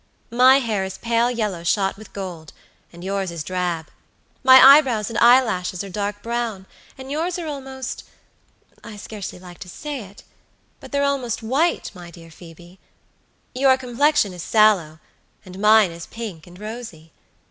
My hair is pale yellow shot with gold, and yours is drab; my eyebrows and eyelashes are dark brown, and yours are almostI scarcely like to say it, but they're almost white, my dear Phoebe. Your complexion is sallow, and mine is pink and rosy.